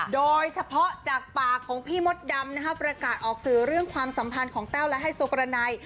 โดยเฉพาะจากปากของพี่มดดำประกาศออกสื่อเรื่องความสัมพันธ์ของแต้วและไฮโซประไน